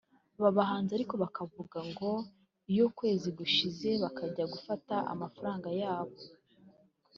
Aba bahinzi ariko bavuga ko ngo iyo ukwezi gushize bakajya gufata amafaranga yabo